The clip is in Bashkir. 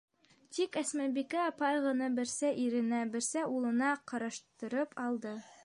Тик Әсмәбикә апай ғына берсә иренә, берсә улына ҡараштырып алды.